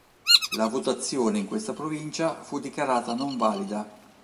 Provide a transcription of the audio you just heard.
La votazione in questa provincia fu dichiarata non valida.